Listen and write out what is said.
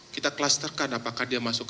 kita klasterkan apakah dia masuk